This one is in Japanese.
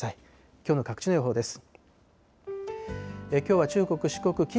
きょうの各地の予報です。